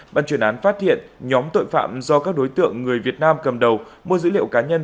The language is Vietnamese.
bàn chuyển án phát hiện nhóm tội phạm do các đối tượng người việt nam cầm đầu mua dữ liệu cá nhân